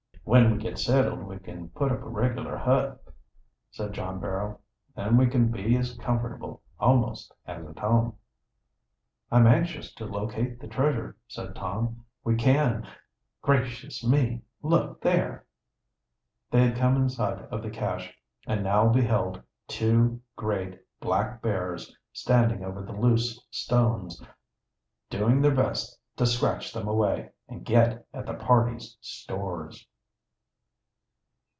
"When we get settled we can put up a regular hut," said John Barrow. "Then we can be as comfortable, almost, as at home." "I'm anxious to locate the treasure," said Tom, "We can Gracious me! Look there!" They had come in sight of the cache, and now beheld two great black bears standing over the loose stones, doing their best to scratch them away and get at the party's stores!